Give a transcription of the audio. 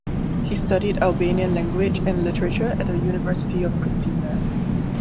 He studied Albanian language and literature at the University of Pristina.